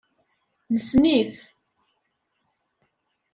Nessen-it.